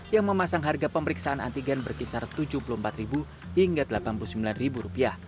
yang memasang harga pemeriksaan antigen berkisar rp tujuh puluh empat hingga rp delapan puluh sembilan